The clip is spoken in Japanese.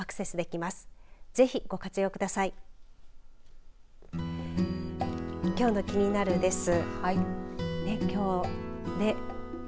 きょうのキニナル！です。